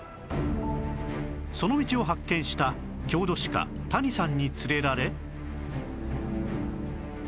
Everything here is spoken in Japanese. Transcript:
その道を発見した郷土史家谷さんに連れられ